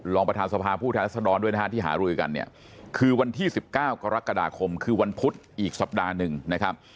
รองประธานสภาผู้แทนรัศดรด้วยนะฮะที่หารือกันเนี่ยคือวันที่๑๙กรกฎาคมคือวันพุธอีกสัปดาห์หนึ่งนะครับ